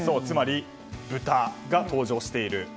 つまり豚が登場している。